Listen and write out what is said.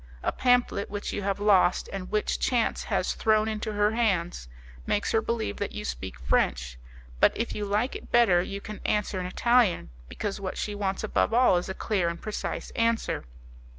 A pamphlet which you have lost, and which chance has thrown into her hands, makes her believe that you speak French; but, if you like it better, you can answer in Italian, because what she wants above all is a clear and precise answer.